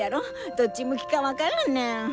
どっち向きか分からんねん。